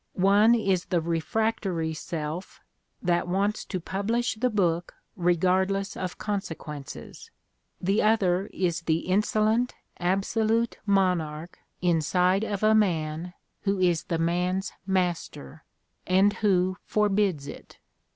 One is the refractory self that wants to publish the book regardless of conse quences; the other is the "insolent absolute Monarch inside of a man who is the man's master" and who forbids it.